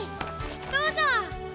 どうぞ。